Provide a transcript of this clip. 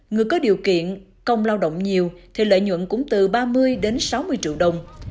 người có điều kiện công lao động nhiều thì lợi nhuận cũng từ ba mươi đến sáu mươi triệu đồng